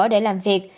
để làm việc